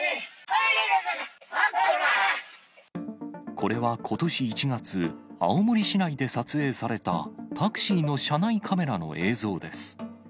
これはことし１月、青森市内で撮影されたタクシーの車内カメラの映像です。